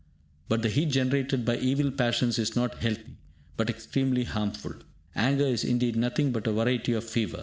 But the heat generated by evil passions is not healthy, but extremely harmful. Anger is, indeed, nothing but a variety of fever.